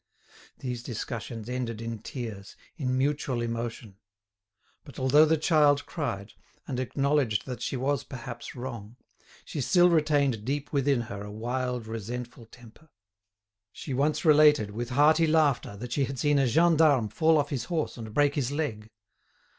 These discussions ended in tears, in mutual emotion. But although the child cried, and acknowledged that she was perhaps wrong, she still retained deep within her a wild resentful temper. She once related, with hearty laughter, that she had seen a gendarme fall off his horse and break his leg.